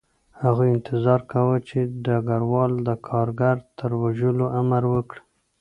هغوی انتظار کاوه چې ډګروال د کارګر د وژلو امر وکړي